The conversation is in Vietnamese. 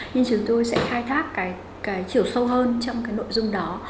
nhưng chúng tôi sẽ khai thác cái chiều sâu hơn trong cái nội dung đó